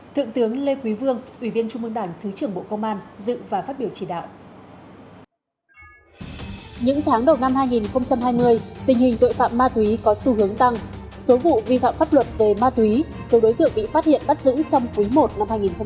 thượng tướng lê quý vương ủy viên trung mương đảng thứ trưởng bộ công an dự và phát biểu chỉ đạo